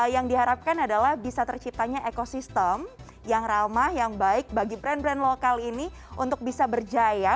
yang diharapkan adalah bisa terciptanya ekosistem yang ramah yang baik bagi brand brand lokal ini untuk bisa berjaya